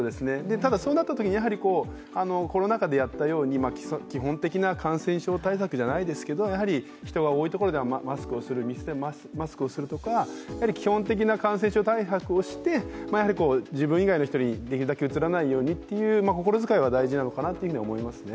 ただ、そうなったときにコロナ禍でやったように、基本的な感染症対策じゃないですけど、やはり人が多いところではマスクをする、店でマスクするとか基本的な感染症対策をして自分以外の人にできるだけうつらないようにっていう心遣いは大事なのかなと思いますね。